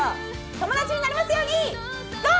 友達になれますようにゴー！